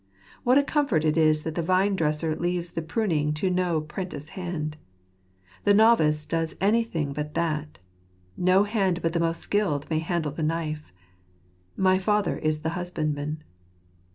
What a comfort it is that the Vine dresser leaves the pruning to no 'prentice hand ! The novice does anything but that. No hand but the most skilled may handle the knife. " My Father is the husbandman."